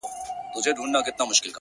و تاسو ته يې سپين مخ لارښوونکی، د ژوند.